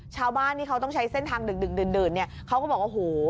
ชาวบ้านที่เขาต้องใช้เส้นทางดึกดื่นเนี่ยเขาก็บอกว่าโห